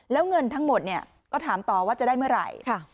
แล้วเงินทั้งหมดก็ถามต่อว่าจะได้เมื่อไหร่